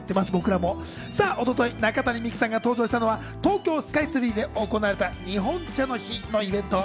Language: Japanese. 一昨日、中谷美紀さんが登場したのは東京スカイツリーで行われた日本茶の日のイベント。